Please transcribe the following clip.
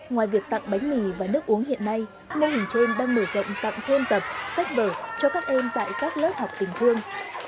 ngoài việc tặng bánh mì và nước uống hiện nay mô hình trên đang mở rộng tặng thôn tập sách vở cho các em tại các lớp học tình thương